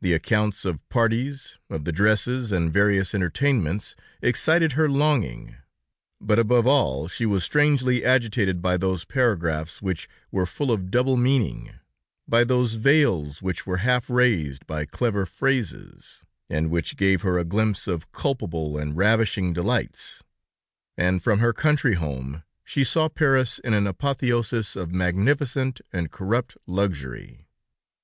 The accounts of parties, of the dresses and various entertainments, excited her longing; but, above all, she was strangely agitated by those paragraphs which were full of double meaning, by those veils which were half raised by clever phrases, and which gave her a glimpse of culpable and ravishing delights, and from her country home, she saw Paris in an apotheosis of magnificent and corrupt luxury.